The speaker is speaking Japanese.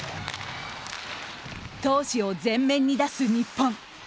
闘志を前面に出す日本。